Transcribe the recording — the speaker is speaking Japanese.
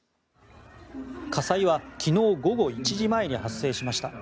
火災は昨日午後１時前に発生しました。